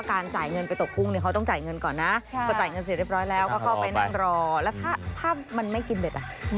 ก็ไปนั่งรอแล้วถ้ามันไม่กินเบ็ดอะ